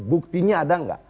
buktinya ada enggak